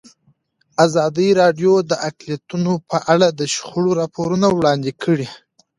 ازادي راډیو د اقلیتونه په اړه د شخړو راپورونه وړاندې کړي.